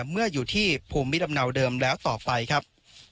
เมื่ออยู่ที่ภูมิลำเนาเดิมแล้วต่อไปครับ